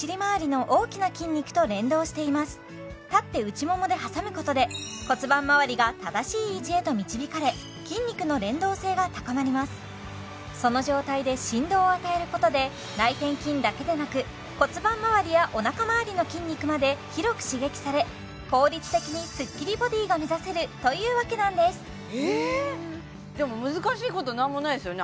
立って内ももで挟むことでその状態で振動を与えることで内転筋だけでなく骨盤まわりやお腹まわりの筋肉まで広く刺激され効率的にスッキリボディーが目指せるというわけなんですえでも難しいこと何もないですよね